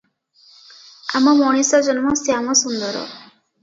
ଆମ ମଣିଷଜନ୍ମ ଶ୍ୟାମସୁନ୍ଦର ।